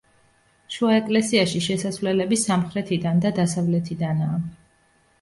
შუა ეკლესიაში შესასვლელები სამხრეთიდან და დასავლეთიდანაა.